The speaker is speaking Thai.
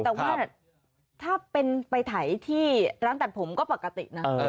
แต่ว่าถ้าเป็นไปถ่ายที่ร้านตัดผมก็ปกตินะ